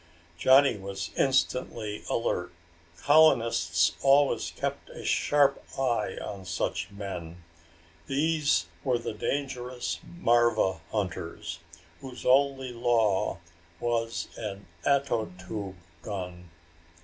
Johnny was instantly alert. Colonists always kept a sharp eye on such men. These were the dangerous marva hunters, whose only law was an ato tube gun.